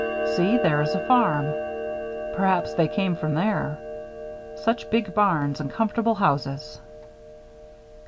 See, there is a farm. Perhaps they came from there. Such big barns and comfortable houses."